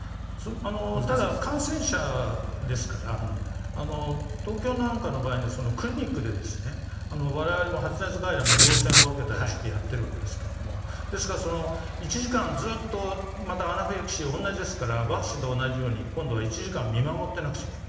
ただ、感染者ですから東京なんかの場合にクリニックで我々も発熱外来も動線を分けたりしてやっているわけですが１時間ずっとアナフィラキシーは同じですからワクチンと同じようにまた１時間見守っていないといけない。